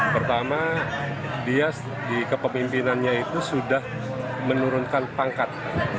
pertama dia di kepemimpinannya itu sudah menurunkan pangkat